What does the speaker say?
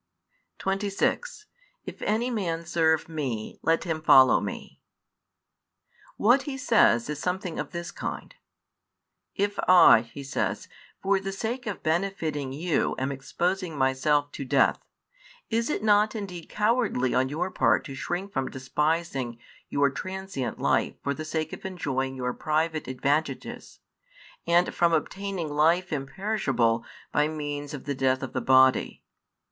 26 If any man serve Me, let him follow Me. What He says is something of this kind: If I, He says, for the sake of benefitting you am exposing Myself to death, is it not indeed cowardly on your part to shrink from despising your transient life for the sake of enjoying your private advantages, and from obtaining life imperishable by means of the death of the body?